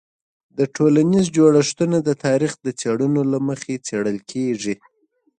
د ټولنیز جوړښتونه د تاریخ د څیړنو له مخې څیړل کېږي.